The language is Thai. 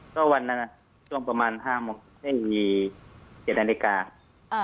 ก็วันนั้นช่วงประมาณ๕โมงไม่มี๗นาฬิกา